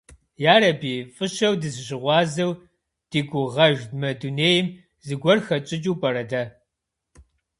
Ярэби, фӏыщэу дызыщыгъуазэу ди гугъэж мы дунейм зыгуэр хэтщӏыкӏыу пӏэрэ дэ?